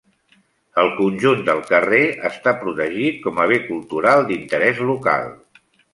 El conjunt del carrer està protegit com a bé cultural d'interès local.